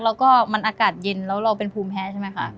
แล้วก็มันอากาศเย็นแล้วเราเป็นภูมิแพ้ใช่ไหมคะ